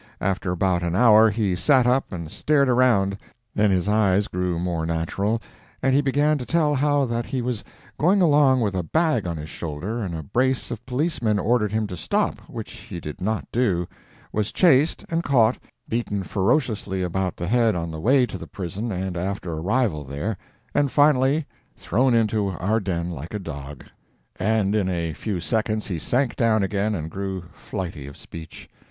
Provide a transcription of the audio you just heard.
After about an hour, he sat up and stared around; then his eyes grew more natural and he began to tell how that he was going along with a bag on his shoulder and a brace of policemen ordered him to stop, which he did not do was chased and caught, beaten ferociously about the head on the way to the prison and after arrival there, and finally thrown into our den like a dog. And in a few seconds he sank down again and grew flighty of speech.